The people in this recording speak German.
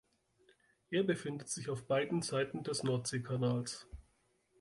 Er befindet sich auf beiden Seiten des Nordseekanals.